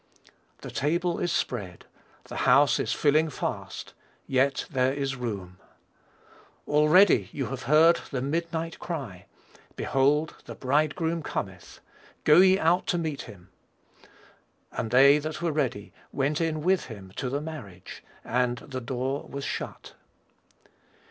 The table is spread, the house is filling fast: "yet there is room." Already you have heard the midnight cry, "Behold the bridegroom cometh, go ye out to meet him," "and they that were READY went in with him to the marriage, AND THE DOOR WAS SHUT."